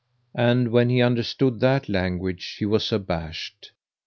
And when he understood that language he was abashed.